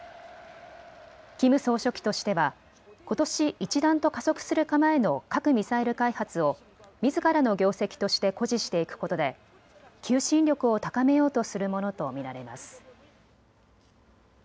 キム総書記としてはことし一段と加速する構えの核・ミサイル開発をみずからの業績として誇示していくことで求心力を高めようとするものと見られます。